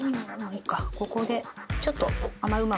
ここでちょっと。